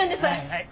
はい